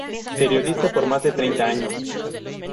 Periodista por más de treinta años.